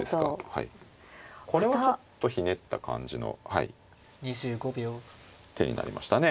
これはちょっとひねった感じの手になりましたね。